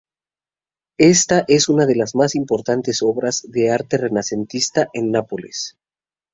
Esta es una de las más importantes obras de arte renacentista en Nápoles.